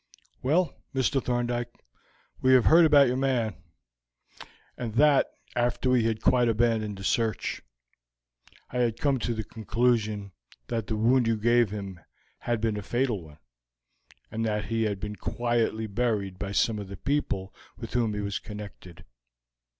"Well, Mr. Thorndyke, we have heard about your man, and that after we had quite abandoned the search. I had come to the conclusion that the wound you gave him had been a fatal one, and that he had been quietly buried by some of the people with whom he was connected.